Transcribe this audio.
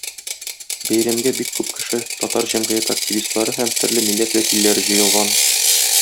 Бәйрәмгә бик күп кеше - татар җәмгыяте активистлары һәм төрле милләт вәкилләре җыелган.